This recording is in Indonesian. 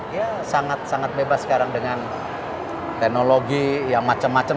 ya sangat sangat bebas sekarang dengan teknologi yang macem macem